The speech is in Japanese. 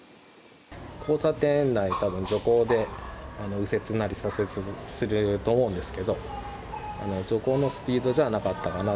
交差点内、たぶん徐行で右折なり左折すると思うんですけど、徐行のスピードじゃなかったかな。